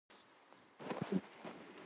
ژمی د افغان کلتور په داستانونو کې راځي.